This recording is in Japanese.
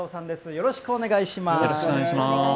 よろしくお願いします。